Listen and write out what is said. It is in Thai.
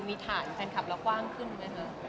มีฐานแฟนคลับเรากว้างขึ้นไหมคะ